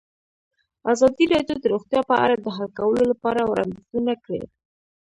ازادي راډیو د روغتیا په اړه د حل کولو لپاره وړاندیزونه کړي.